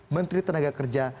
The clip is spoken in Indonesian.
menteri tenaga kerja